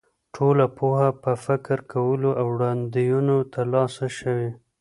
ټوله پوهه په فکر کولو او وړاندوینو تر لاسه شوې.